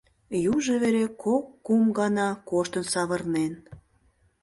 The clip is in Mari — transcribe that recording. Южо вере кок-кум гана коштын савырнен.